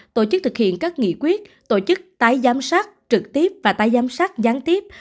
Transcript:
tổ chức thực hiện các nghị quyết tổ chức tái giám sát trực tiếp và tái giám sát gián tiếp